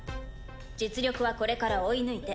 実力はこれから追い抜いて。